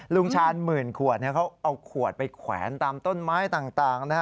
ชาญหมื่นขวดเขาเอาขวดไปแขวนตามต้นไม้ต่างนะฮะ